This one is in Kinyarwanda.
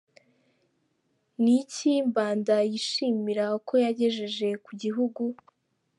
Ni iki Mbanda yishimira ko yagejeje ku gihugu?.